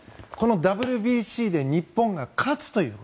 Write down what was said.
ＷＢＣで日本が勝つという。